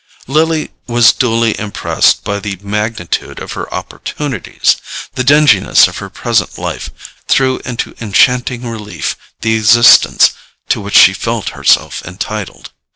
Lily was duly impressed by the magnitude of her opportunities. The dinginess of her present life threw into enchanting relief the existence to which she felt herself entitled.